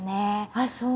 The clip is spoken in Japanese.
ああそう。